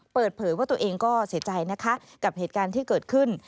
เปิดเผยว่าตัวเองก็เสียใจนะคะกับเหตุการณ์ที่เกิดขึ้น